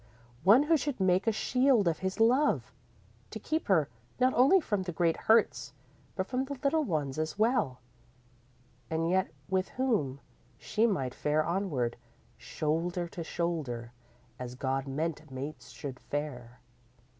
One who should make a shield of his love, to keep her not only from the great hurts but from the little ones as well, and yet with whom she might fare onward, shoulder to shoulder, as God meant mates should fare.